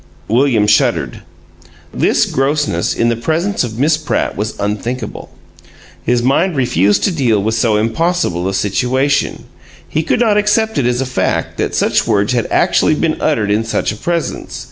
William shuddered. This grossness in the presence of Miss Pratt was unthinkable. His mind refused to deal with so impossible a situation; he could not accept it as a fact that such words had actually been uttered in such a presence.